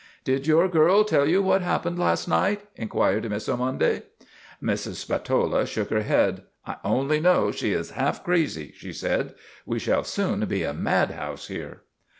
1 Did your girl tell you what happened last night?' inquired Miss Ormonde. Mrs. Spatola shook her head. " I only know she is half crazy," she said. " We shall soon be a mad house here."